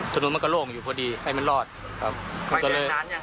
ฉะนั้นมันก็โล่งอยู่พอดีให้มันรอดครับ